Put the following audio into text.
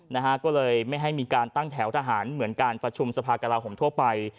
นะฮะก็เลยไม่ให้มีการตั้งแถวทหารเหมือนการประชุมสภากลาโหมทั่วไป